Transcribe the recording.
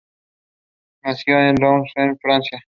Nació en Lons-le-Saunier, Francia.